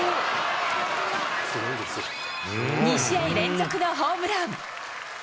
２試合連続のホームラン。